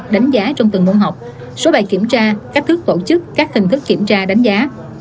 đánh giá trong từng môn học số bài kiểm tra cách thức tổ chức các hình thức kiểm tra đánh giá